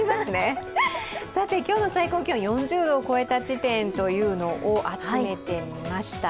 今日の最高気温、４０度を超えた地点を集めてみました。